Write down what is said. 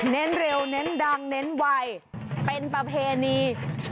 เร็วเน้นดังเน้นไวเป็นประเพณี